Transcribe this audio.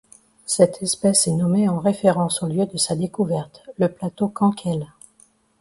Cette espèce est nommée en référence au lieu de sa découverte, le plateau Canquel.